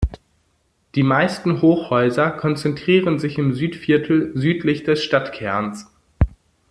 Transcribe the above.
Die meisten Hochhäuser konzentrieren sich im Südviertel südlich des Stadtkerns.